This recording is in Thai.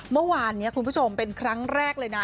เมื่อวานนี้คุณผู้ชมเป็นครั้งแรกเลยนะ